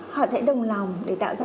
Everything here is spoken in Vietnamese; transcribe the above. họ sẽ đồng lòng để tạo ra